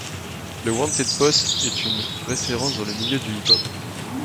Le Wanted Posse est une référence dans le milieu du hip-hop.